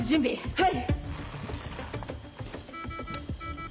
はい！